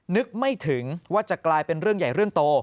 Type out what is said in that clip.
นึกไม่ถึงว่าจะกลายเป็นเรื่องใหญ่เรื่องโต